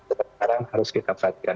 sekarang harus kita perhatikan